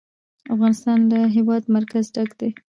افغانستان له د هېواد مرکز ډک دی.